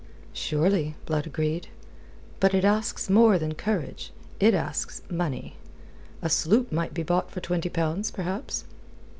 "Surely," Blood agreed. "But it asks more than courage. It asks money. A sloop might be bought for twenty pounds, perhaps."